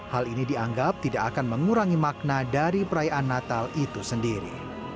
hal ini dianggap tidak akan mengurangi makna dari perayaan natal itu sendiri